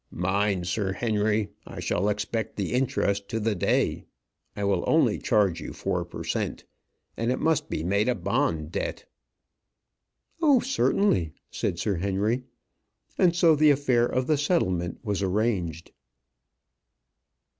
"Mind, Sir Henry, I shall expect the interest to the day. I will only charge you four per cent. And it must be made a bond debt." "Oh, certainly," said Sir Henry. And so the affair of the settlement was arranged.